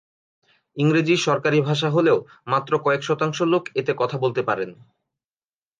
ইংরেজি সরকারী ভাষা হলেও মাত্র কয়েক শতাংশ লোক এতে কথা বলতে পারেন।